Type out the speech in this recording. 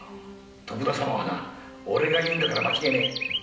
徳田様はな俺が言うんだから間違いねえ。